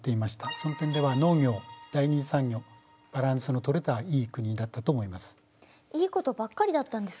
その点では農業第２次産業バランスのとれたいい国だったと思います。